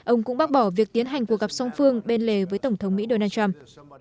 ông cũng bác bỏ việc tiến hành cuộc gặp song phương bên lề với tổng thống mỹ donald trump